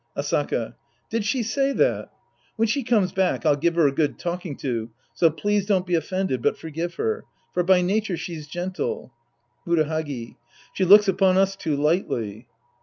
Asaka. Did she say that? When she comes back, I'll give her a good talking to, so please don't be offended, but forgive her. For by nature she's gentle. Murahagi. She looks upon us too lightly.